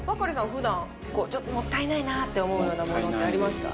普段ちょっともったいないなって思うようなものってありますか？